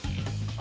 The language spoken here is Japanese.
あ。